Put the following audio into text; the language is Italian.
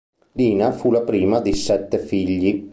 Lina fu la prima di sette figli.